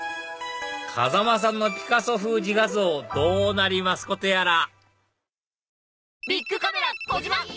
風間さんのピカソ風自画像どうなりますことやら？